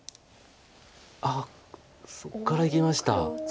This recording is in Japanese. あっそこからいきました。